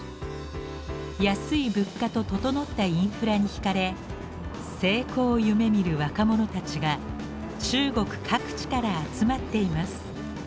安い物価と整ったインフラにひかれ成功を夢みる若者たちが中国各地から集まっています。